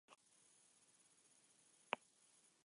Para matar a este último contrataron a un asesino profesional.